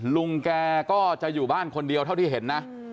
ลุงแกก็จะอยู่บ้านคนเดียวเท่าที่เห็นนะ